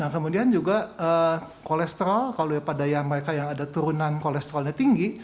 kemudian juga kolesterol kalau daripada yang mereka yang ada turunan kolesterolnya tinggi